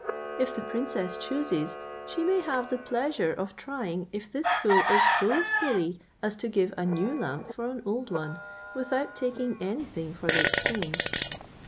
If the princess chooses, she may have the pleasure of trying if this fool is so silly as to give a new lamp for an old one, without taking any thing for the exchange."